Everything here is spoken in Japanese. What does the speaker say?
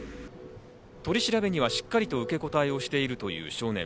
取り調べにはしっかりと受け答えをしているという少年。